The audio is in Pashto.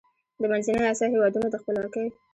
د منځنۍ اسیا هېوادونو د خپلواکۍ